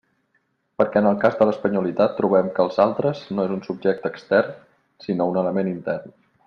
Perquè en el cas de l'espanyolitat trobem que els «altres» no és un subjecte extern sinó un element intern.